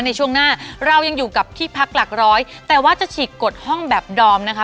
ในช่วงหน้าเรายังอยู่กับที่พักหลักร้อยแต่ว่าจะฉีกกฎห้องแบบดอมนะคะ